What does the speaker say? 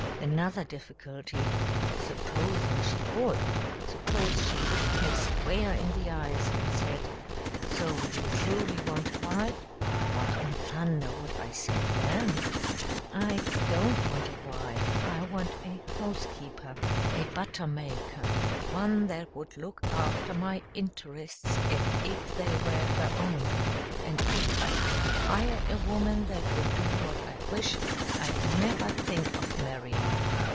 Another difficulty: Supposing she would; suppose she looked me square in the eyes and said, 'So you truly want a wife?' what in thunder would I say then? I don't want a wife, I want a housekeeper, a butter maker, one that would look after my interests as if they were her own; and if I could hire a woman that would do what I wish, I'd never think of marrying.